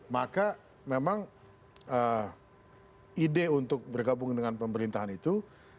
maka memang ide untuk bergabung dengan pemerintahan itu